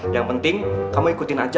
yang penting kamu ikutin aja